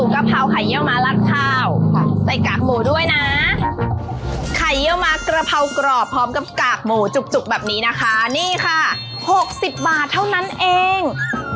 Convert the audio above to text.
กระเภากรอบพร้อมกับกากหมูจุกแบบนี้นะคะนี่ค่ะ๖๐บาทเท่านั้นเอง